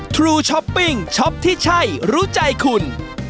ทรูช้อปปิ้งช็อปที่ใช่รู้ใจคุณ